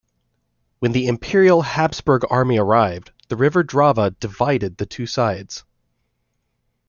When the Imperial Habsburg army arrived, the River Drava divided the two sides.